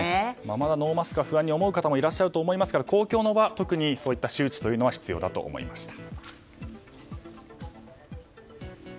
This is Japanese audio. まだノーマスクを不安に思う方もいらっしゃると思いますから公共の場、特にそういった周知は必要だと思いました。